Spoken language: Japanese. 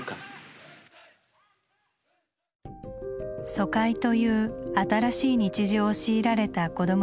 疎開という「新しい日常」を強いられた子どもたち。